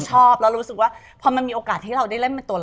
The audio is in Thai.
จะรู้สึกว่าแบบเออมันเป็นตัวที่สร้างสีสัน